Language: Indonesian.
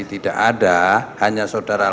tidak ada hanya saudara